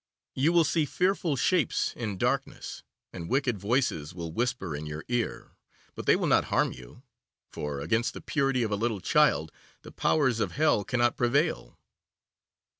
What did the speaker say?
You will see fearful shapes in darkness, and wicked voices will whisper in your ear, but they will not harm you, for against the purity of a little child the powers of Hell cannot prevail.